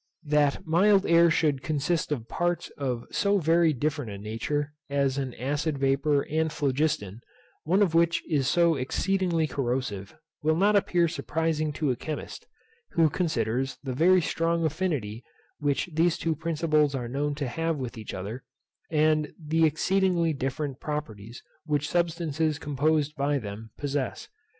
That mild air should consist of parts of so very different a nature as an acid vapour and phlogiston, one of which is so exceedingly corrosive, will not appear surprising to a chemist, who considers the very strong affinity which these two principles are known to have with each other, and the exceedingly different properties which substances composed by them possess.